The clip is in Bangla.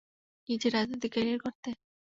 নিজের রাজনৈতিক ক্যারিয়ার গড়তে?